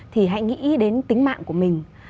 thì hãy nghĩ đến tính mạng của mình